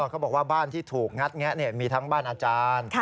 เขาบอกว่าบ้านที่ถูกงัดแงะมีทั้งบ้านอาจารย์